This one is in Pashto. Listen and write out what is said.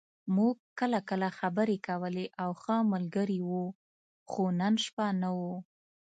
موږ کله کله خبرې کولې او ښه ملګري وو، خو نن شپه نه و.